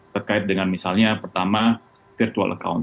terkait dengan misalnya pertama virtual account